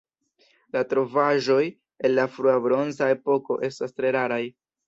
La trovaĵoj el la frua bronza epoko estas tre raraj.